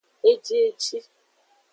Ejieji.